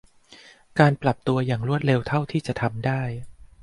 การปรับตัวอย่างรวดเร็วเท่าที่จะทำได้